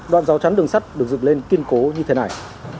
đoạn rào chắn đường sắt được dựng lên kiên cố như thế này